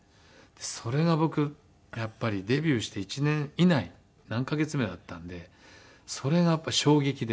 それが僕やっぱりデビューして１年以内何カ月目だったんでそれがやっぱり衝撃で。